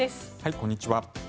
こんにちは。